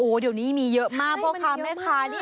เดี๋ยวนี้มีเยอะมากพ่อค้าแม่ค้านี่